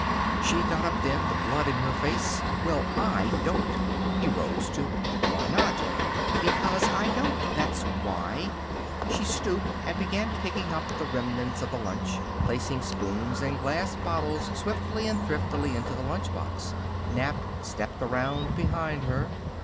She got up then, the blood in her face. "Well, I don't." He rose, too. "Why not?" "Because I don't, that's why." She stooped and began picking up the remnants of the lunch, placing spoons and glass bottles swiftly and thriftily into the lunch box. Nap stepped around behind her.